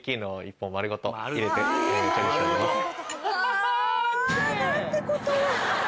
あぁ何てことを。